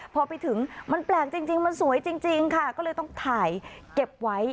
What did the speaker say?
พอไปถึงมันแปลกจริงมันสวยจริงค่ะก็เลยต้องถ่ายเก็บไว้